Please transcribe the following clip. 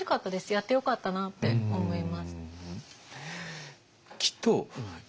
やってよかったなって思います。